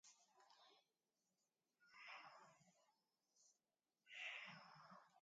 یووالی او همکاري د ټولنې د پرمختګ لامل دی.